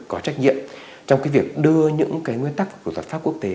có trách nhiệm trong cái việc đưa những cái nguyên tắc của luật pháp quốc tế